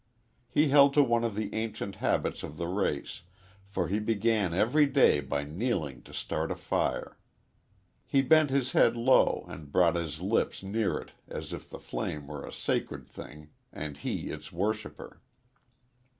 He held to one ol the ancient habits of the race, for he began every day by kneeling to start a fire. He bent his head low and brought his lips near it as if the flame were a sacred thing and he its worshipper.